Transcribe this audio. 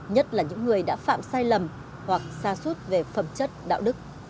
nhất là những người đã phạm sai lầm hoặc xa suốt về phẩm chất đạo đức